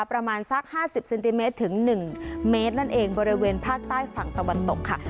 ประมาณสัก๕๐เซนติเมตรถึง๑เมตรนั่นเองบริเวณภาคใต้ฝั่งตะวันตกค่ะ